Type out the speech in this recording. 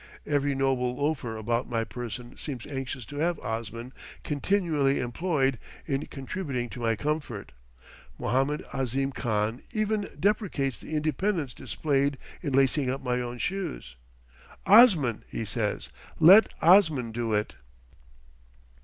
Every noble loafer about my person seems anxious to have Osman continually employed in contributing to my comfort; Mohammed Ahzim Khan even deprecates the independence displayed in lacing up my own shoes. "Osman," he says, "let Osman do it."